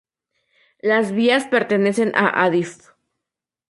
Las vías pertenecen a Adif.